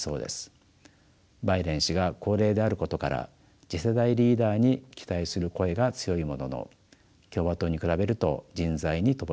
バイデン氏が高齢であることから次世代リーダーに期待する声が強いものの共和党に比べると人材に乏しく